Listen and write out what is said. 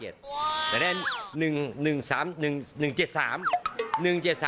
แต่ได้๑๗๓